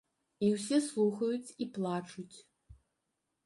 І ўсе слухаюць і плачуць!